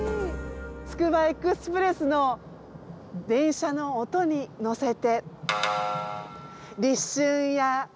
つくばエクスプレスの電車の音に乗せて。